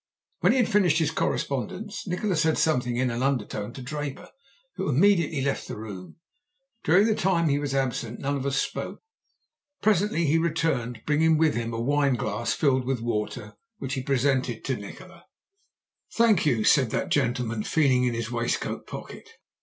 When he had finished his correspondence Nikola said something in an undertone to Draper, who immediately left the room. During the time he was absent none of us spoke. Presently he returned, bringing with him a wine glass filled with water, which he presented to Nikola. "'Thank you,' said that gentleman, feeling in his waistcoat pocket.